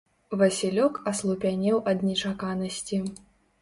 Васілёк аслупянеў ад нечаканасці.